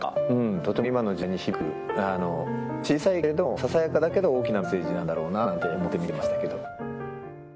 とても小さいけれどもささやかだけど大きなメッセージなんだろうななんて思って見てましたけど。